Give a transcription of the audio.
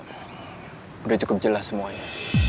gue rasa udah cukup jelas semuanya